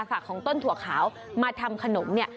ของต้นถั่วขาวมาทำขนมเนี่ย